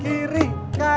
kita harus berbicara